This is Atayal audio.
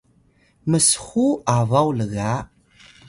mshuw abaw lga